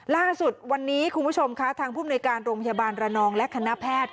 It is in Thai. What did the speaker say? ล่าสุดวันนี้คุณผู้ชมค่ะทางผู้มนุยการโรงพยาบาลระนองและคณะแพทย์